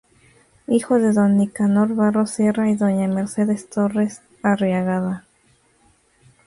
Hijo de don Nicanor Barros Sierra y doña Mercedes Torres Arriagada.